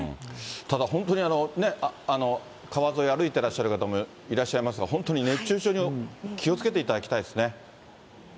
ただ本当にね、川沿い歩いてらっしゃる方もいらっしゃいますが、本当に熱中症に気をつけていただきたいですね。